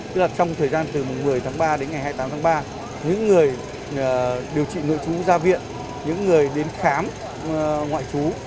tức là trong thời gian từ mùng một mươi tháng ba đến ngày hai mươi tám tháng ba những người điều trị nội chú ra viện những người đến khám ngoại trú